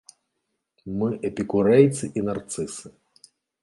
Мы эпікурэйцы і нарцысы!